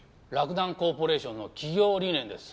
洛南コーポレーションの企業理念です。